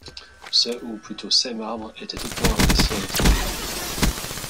Ce, ou plutôt, ces marbres étaient hautement appréciés à l'étranger.